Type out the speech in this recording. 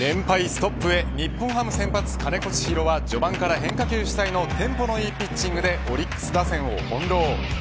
ストップへ日本ハム先発金子千尋は序盤から変化球主体のテンポのいいピッチングでオリックス打線をほんろう。